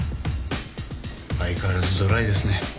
相変わらずドライですね。